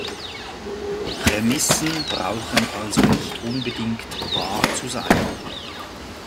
Prämissen brauchen also nicht unbedingt wahr zu sein.